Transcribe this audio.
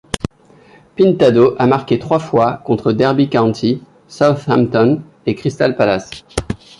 Pintado a marqué trois fois, contre Derby County, Southampton et Crystal Palace.